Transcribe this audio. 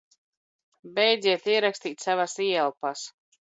Beidziet ierakst?t savas ieelpas!